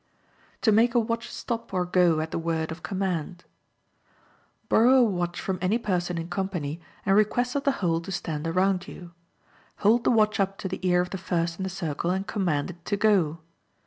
To Make a Watch Stop or Go at the Word of Command.—Borrow a watch from any person in company and request of the whole to stand around you. Hold the watch up to the ear of the first in the circle and command it to go.